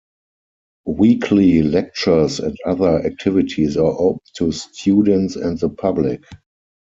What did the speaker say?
Weekly lectures and other activities are open to students and the public.